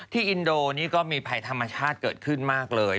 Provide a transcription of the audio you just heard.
อินโดนี่ก็มีภัยธรรมชาติเกิดขึ้นมากเลย